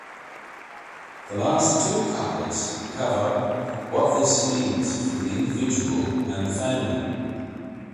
The last two couplets cover what this means for the individual and the family.